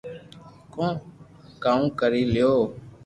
ڪو ڪاو ڪري ليو